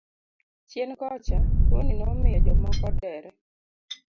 Chien kocha tuoni nomiyo jomoko odere.